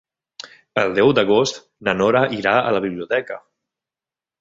El deu d'agost na Nora irà a la biblioteca.